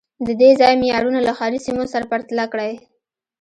د دې ځای معیارونه له ښاري سیمو سره پرتله کړئ